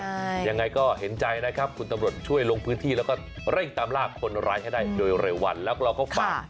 ยังไงก็เห็นใจนะครับคุณตำรวจช่วยลงพื้นที่แล้วก็เร่งตามลากคนร้ายให้ได้โดยเร็ววันแล้วก็เราก็ฝาก